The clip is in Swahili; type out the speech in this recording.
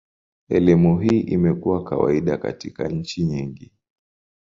Elimu hii imekuwa kawaida katika nchi nyingi.